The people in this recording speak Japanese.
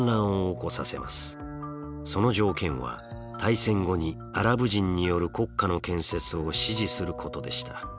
その条件は大戦後にアラブ人による国家の建設を支持することでした。